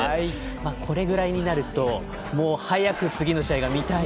これぐらいになると早く次の試合が見たい。